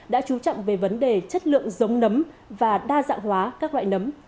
đã chú trọng về vấn đề chất lượng giống nấm và đa dạng hóa các loại nấm